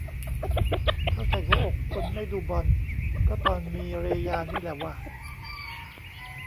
เข้าใจหัวอกคนไม่ดูบอล ก็ตอนมีเรยานี่แหละว่ะ